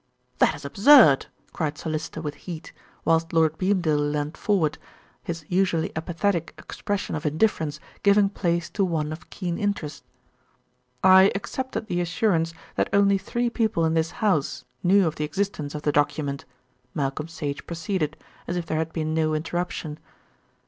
"That is absurd!" cried Sir Lyster with heat, whilst Lord Beamdale leaned forward, his usually apathetic expression of indifference giving place to one of keen interest. "I accepted the assurance that only three people in this house knew of the existence of the document," Malcolm Sage proceeded, as if there had been no interruption.